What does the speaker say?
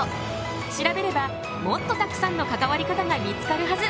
調べればもっとたくさんの関わり方が見つかるはず！